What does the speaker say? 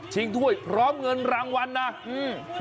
ถ้วยพร้อมเงินรางวัลนะอืม